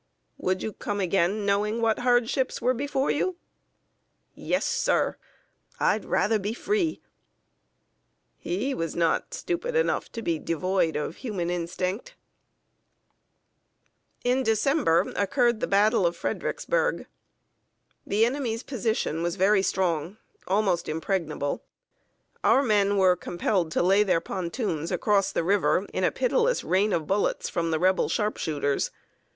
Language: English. "Would you come again, knowing what hardships were before you?" "Yes, sir. I'd rather be free!" He was not stupid enough to be devoid of human instinct! [Sidenote: THE BATTLE OF FREDERICKSBURG.] In December occurred the battle of Fredericksburg. The enemy's position was very strong almost impregnable. Our men were compelled to lay their pontoons across the river in a pitiless rain of bullets from the Rebel sharpshooters.